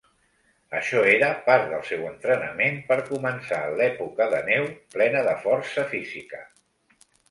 Això era part del seu entrenament per començar l’època de neu plena de força física.